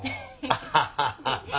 ハハハハ！